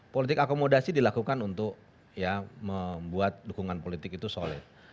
politik akomodasi dilakukan untuk membuat dukungan politik itu solid